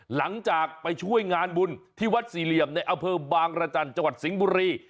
หลังจากไปช่วยงานบุญที่วัดสี่เหลี่ยมในอำเภอบางรจันทร์จังหวัดสิงห์บุรี